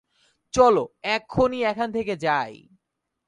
চলো এক্ষুনি এখান থেকে যাই।